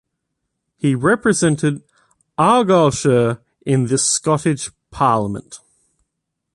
He represented Argyllshire in the Scottish Parliament.